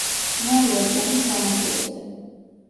წყნარი ოკეანის სანაპიროზე.